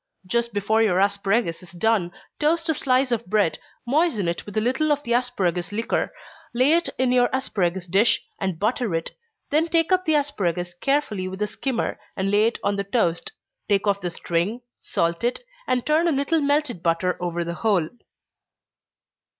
Just before your asparagus is done, toast a slice of bread, moisten it with a little of the asparagus liquor, lay it in your asparagus dish, and butter it then take up the asparagus carefully with a skimmer, and lay it on the toast, take off the string, salt it, and turn a little melted butter over the whole.